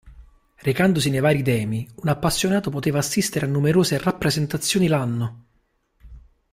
Recandosi nei vari demi, un appassionato poteva assistere a numerose rappresentazioni l'anno.